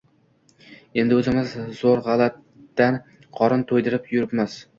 Endi o‘zimiz zo‘rg‘alatdan qorin to‘ydirib yuribmiz…